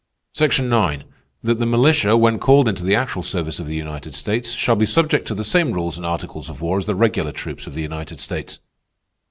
"'Section Nine, that the militia, when called into the actual service of the United States, shall be subject to the same rules and articles of war as the regular troops of the United States.